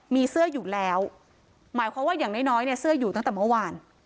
มีเสื้ออยู่แล้วหมายความว่าอย่างน้อยเนี่ยเสื้ออยู่ตั้งแต่เมื่อวาน